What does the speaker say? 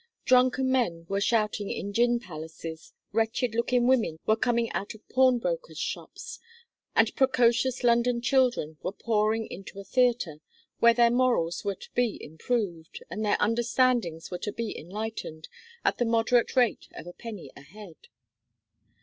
Drunken men were shouting in gin palaces, wretched looking women were coming out of pawnbroker's shops, and precocious London children were pouring into a theatre, where their morals were to be improved, and their understandings were to be enlightened, at the moderate rate of a penny a head.